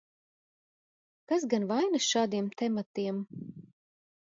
Kas gan vainas šādiem tematiem?